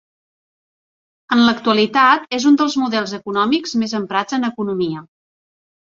En l'actualitat és un dels models econòmics més emprats en economia.